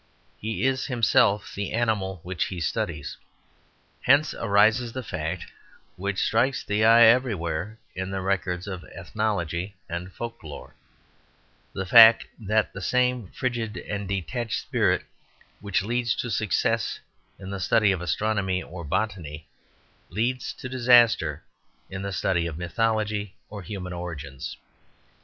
He is himself the animal which he studies. Hence arises the fact which strikes the eye everywhere in the records of ethnology and folk lore the fact that the same frigid and detached spirit which leads to success in the study of astronomy or botany leads to disaster in the study of mythology or human origins.